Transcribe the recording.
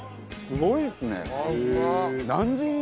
すごいですね。